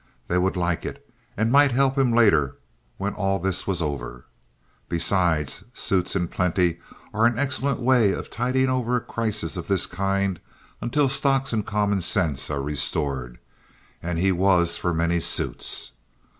They would like it, and might help him later when all this was over. Besides, suits in plenty are an excellent way of tiding over a crisis of this kind until stocks and common sense are restored, and he was for many suits.